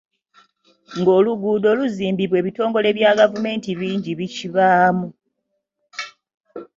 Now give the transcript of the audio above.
Nga oluguudo luzimbibwa ebitongole bya gavumenti bingi ebikibaamu.